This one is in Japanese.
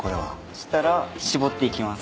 そしたら絞っていきます。